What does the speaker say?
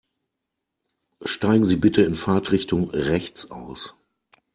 Steigen Sie bitte in Fahrtrichtung rechts aus.